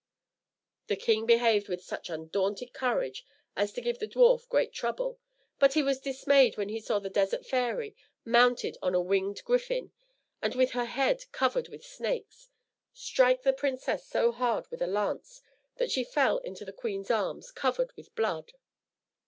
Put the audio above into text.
The king behaved with such undaunted courage, as to give the dwarf great trouble; but he was dismayed when he saw the Desert Fairy, mounted on a winged griffin, and with her head covered with snakes, strike the princess so hard with a lance, that she fell into the queen's arms, covered with blood.